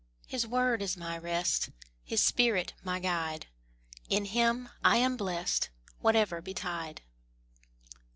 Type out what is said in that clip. His word is my rest, His spirit my guide: In Him I am blest Whatever betide.